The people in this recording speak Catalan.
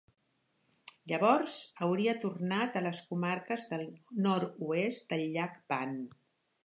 Llavors hauria tornat a les comarques del nord-oest del llac Van.